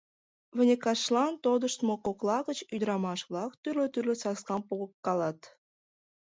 Выньыкашлан тодыштмо кокла гыч ӱдырамаш-влак тӱрлӧ-тӱрлӧ саскам погкалат.